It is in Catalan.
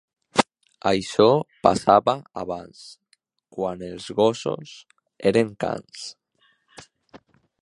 Això passava abans, quan els gossos eren cans.